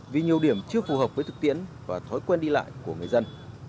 vì nhiều điểm chưa phù hợp với thực tiễn và thói quen đi lại của người dân